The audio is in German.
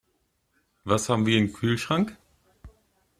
Was haben wir im Kühlschrank?